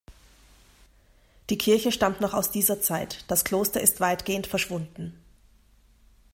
Die Kirche stammt noch aus dieser Zeit; das Kloster ist weitgehend verschwunden.